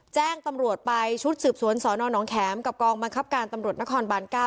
แจ้งตำรวจไปชวดสืบสวนสอนอนหลำแค้มกับกองมันคับการตำรวจนครบันเกล้า